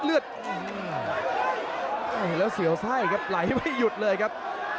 เลือดแล้วเสียวไส้ครับไหลไม่หยุดเลยครับ